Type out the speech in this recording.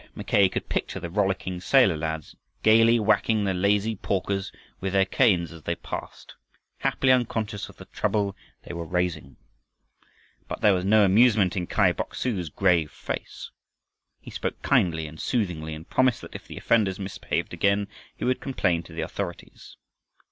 Mackay could picture the rollicking sailor lads gaily whacking the lazy porkers with their canes as they passed, happily unconscious of the trouble they were raising. But there was no amusement in Kai Bok su's grave face. He spoke kindly, and soothingly, and promised that if the offenders misbehaved again he would complain to the authorities.